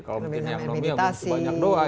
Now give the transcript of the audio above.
kalau muslim yang nomia muslim banyak doa